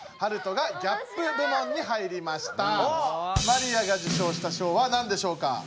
マリアが受賞した賞はなんでしょうか？